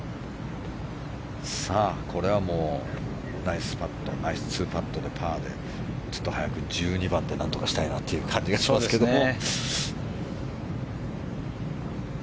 さあ、これはもうナイス２パットでパーで１２番で何とかしたいなという感じがしますけども。